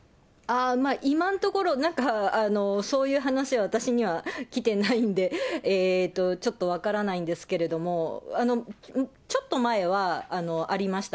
今のところ、なんかそういう話は、私には来てないんで、ちょっと分からないんですけれども、ちょっと前はありました。